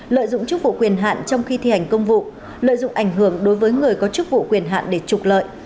lợi dụng chức vụ quyền hạn trong khi thi hành công vụ lợi dụng ảnh hưởng đối với người có chức vụ quyền hạn để trục lợi